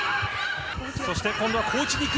そして今度は小内にいく。